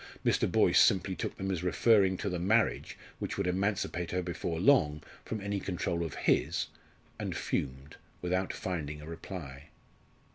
Mr. Boyce simply took them as referring to the marriage which would emancipate her before long from any control of his, and fumed, without finding a reply.